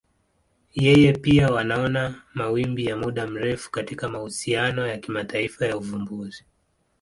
Yeye pia wanaona mawimbi ya muda mrefu katika mahusiano ya kimataifa ya uvumbuzi.